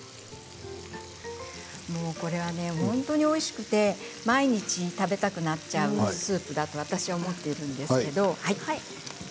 もう、これが本当においしくて毎日食べたくなっちゃうスープだと私は思っているんですけれど。